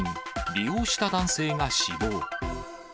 利用した男性が死亡。